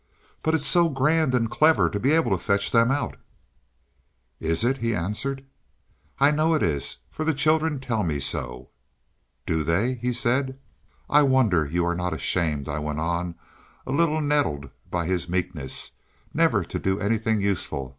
"But it's so grand and clever to be able to fetch them out." "Is it?" he answered. "I know it is, for the children tell me so." "Do they?" he said. "I wonder you are not ashamed," I went on, a little nettled by his meekness, "never to do anything useful.